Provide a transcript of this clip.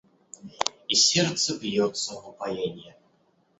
И сердце бьется в упоенье